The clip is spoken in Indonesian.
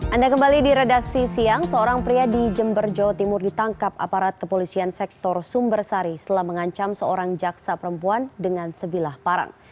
anda kembali di redaksi siang seorang pria di jember jawa timur ditangkap aparat kepolisian sektor sumber sari setelah mengancam seorang jaksa perempuan dengan sebilah parang